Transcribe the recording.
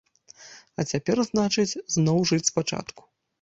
А цяпер, значыць, зноў жыць спачатку.